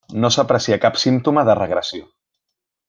No s'aprecia cap símptoma de regressió.